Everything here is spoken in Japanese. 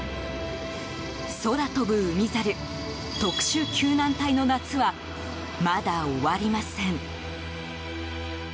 空飛ぶ海猿、特殊救難隊の夏はまだ終わりません。